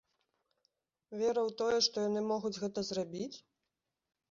Вера ў тое, што яны могуць гэта зрабіць?